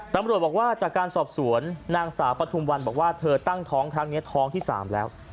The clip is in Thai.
ตำรวจบอกว่าจากการสอบสวนนางสาวปฐุมวันบอกว่าเธอตั้งท้องครั้งนี้ท้องที่๓แล้ว